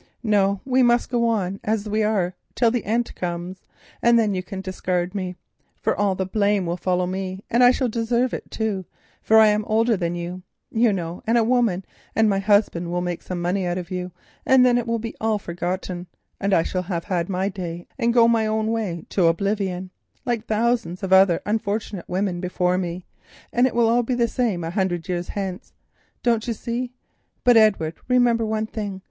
No, we must go on as we are until the end comes, and then you can discard me; for all the blame will follow me, and I shall deserve it, too. I am older than you, you know, and a woman; and my husband will make some money out of you, and then it will all be forgotten, and I shall have had my day and go my own way to oblivion, like thousands of other unfortunate women before me, and it will be all the same a hundred years hence, don't you see? But, Edward, remember one thing.